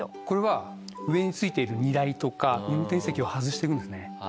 これは上についている荷台とか運転席を外していくんですね。